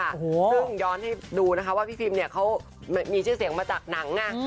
ซึ่งย้อนให้ดูนะคะว่าพี่พิมเนี่ยเขามีชื่อเสียงมาจากหนังไง